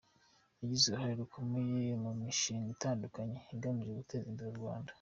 Yagize uruhare rukomeye mu mishanga itandukanye igamije guteza imbere u Rwanda.